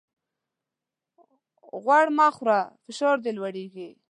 غوړ مه خوره ! فشار دي لوړېږي.